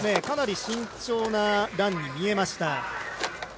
かなり慎重なランに見えました。